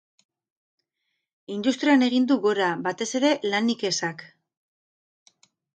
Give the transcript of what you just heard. Industrian egin du gora, batez ere, lanik ezak.